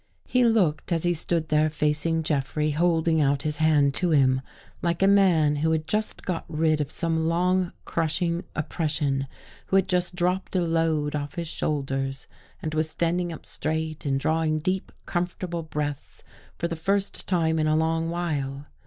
He looked, as he stood there facing Jeffrey, hold ing out his hand to him, like a man who had just got rid of some long crushing oppression, who had just dropped a load off his shoulders and was standing up straight and drawing deep, comfortable breaths for the first time in a long while.